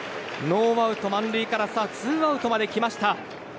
ノーアウト満塁からツーアウトまできました。